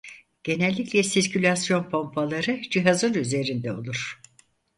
Genellikle sirkülasyon pompaları cihazın üzerinde olur.